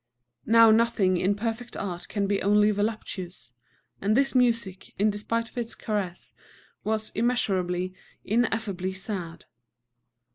Now nothing in perfect art can be only voluptuous; and this music, in despite of its caress, was immeasurably, ineffably sad.